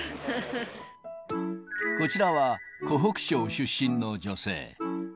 こちらは、湖北省出身の女性。